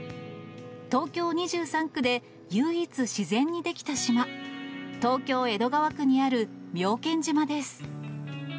東京２３区で唯一、自然に出来た島、東京・江戸川区にある妙見島です。